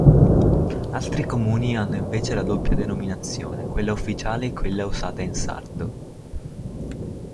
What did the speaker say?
Altri comuni hanno invece la doppia denominazione, quella ufficiale e quella usata in sardo.